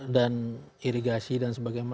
dan irigasi dan sebagainya